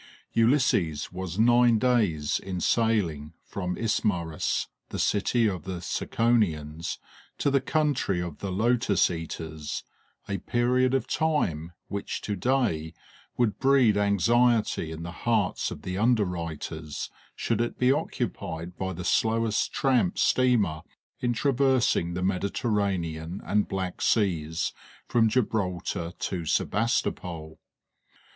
Ulysses was nine days in sailing from Ismarus the city of the Ciconians, to the country of the Lotus eaters a period of time which to day would breed anxiety in the hearts of the underwriters should it be occupied by the slowest tramp steamer in traversing the Mediterranean and Black Seas from Gibraltar to Sebastopol.